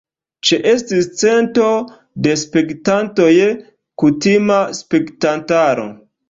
Ĉeestis cento da spektantoj kutima spektantaro.